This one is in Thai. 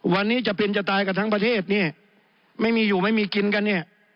วันนี้จะเป็นจะตายกับทั้งประเทศไม่มีอยู่ไม่มีกินกัน